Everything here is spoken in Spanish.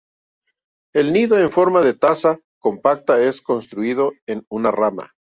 El nido en forma de taza compacta es construido en una rama.